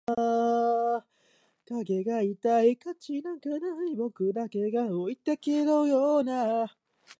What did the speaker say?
これは浅野家で伝えられてきた「太閤様御覚書」に記されています。